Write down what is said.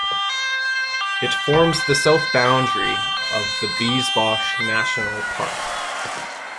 It forms the south boundary of the Biesbosch National Park.